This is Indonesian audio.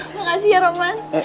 makasih ya roman